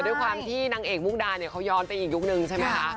ด้วยความที่นางเอกมุกดาเนี่ยเขาย้อนไปอีกยุคนึงใช่ไหมคะ